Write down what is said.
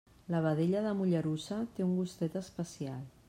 La vedella de Mollerussa té un gustet especial.